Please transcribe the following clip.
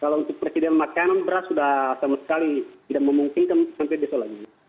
kalau untuk persediaan makanan beras sudah sama sekali tidak memungkinkan sampai besok lagi